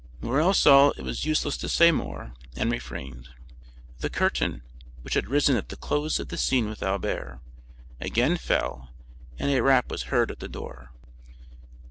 Morrel saw it was useless to say more, and refrained. The curtain, which had risen at the close of the scene with Albert, again fell, and a rap was heard at the door.